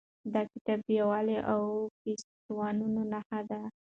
دا کتاب د یووالي او پیوستون نښه ده.